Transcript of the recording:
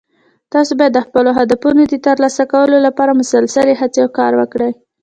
تاسو باید د خپلو هدفونو د ترلاسه کولو لپاره مسلسلي هڅې او کار وکړئ